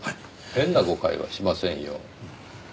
変な誤解はしませんよ。